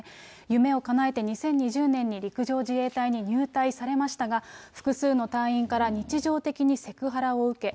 夢をかなえて２０２０年に陸上自衛隊に入隊されましたが、複数の隊員から日常的にセクハラを受け。